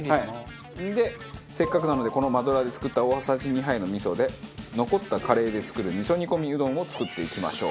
でせっかくなのでこのマドラーで作った大さじ２杯の味噌で残ったカレーで作る味噌煮込みうどんを作っていきましょう。